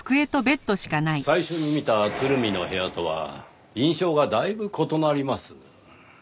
最初に見た鶴見の部屋とは印象がだいぶ異なります。